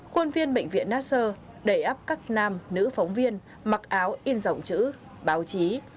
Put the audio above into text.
khuôn viên bệnh viện nasser đẩy áp các nam nữ phóng viên mặc áo in dòng chữ báo chí